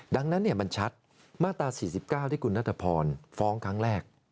ดังนั้นมันชัดมาตรา๔๙ที่คุณนัทพรฟ้องครั้งแรก